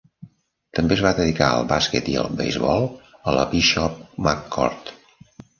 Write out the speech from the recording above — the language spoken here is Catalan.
També es va dedicar al bàsquet i el beisbol a la Bishop McCort.